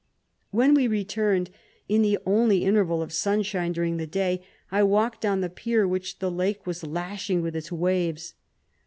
When we returned, in the only in terval of sunshine during the day, I walked on the pier which the lake was lashing with its waves.